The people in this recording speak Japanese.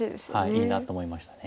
いいなって思いましたね。